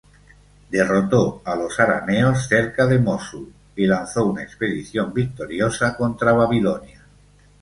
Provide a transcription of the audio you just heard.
Derrotó a los arameos cerca de Mosul, y lanzó una expedición victoriosa contra Babilonia.